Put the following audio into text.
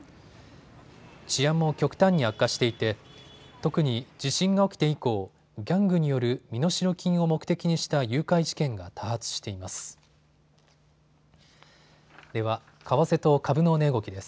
治安も極端に悪化していて特に地震が起きて以降、ギャングによる身代金を目的にした誘拐事件が多発しています。